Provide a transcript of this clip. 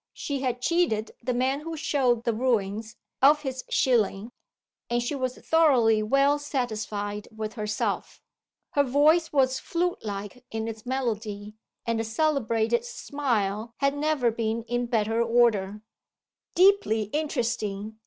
She had cheated the man who showed the ruins of his shilling, and she was thoroughly well satisfied with herself. Her voice was flute like in its melody, and the celebrated "smile" had never been in better order. "Deeply interesting!"